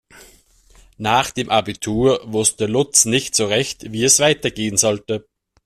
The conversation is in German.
Nach dem Abitur wusste Lutz nicht so recht, wie es weitergehen sollte.